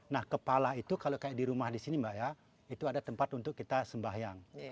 nah kepala itu kalau kayak di rumah di sini mbak ya itu ada tempat untuk kita sembahyang